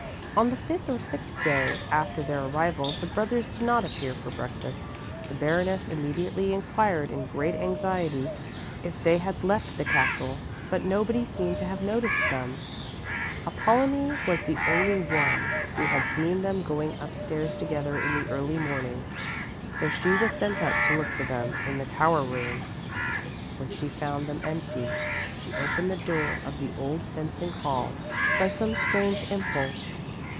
On the fifth or sixth day after their arrival the brothers did not appear for breakfast. The Baroness immediately inquired in great anxiety if they had left the castle, but nobody seemed to have noticed them. Apollonie was the only one who had seen them going upstairs together in the early morning, so she was sent up to look for them in the tower rooms. When she found them empty, she opened the door of the old fencing hall by some strange impulse.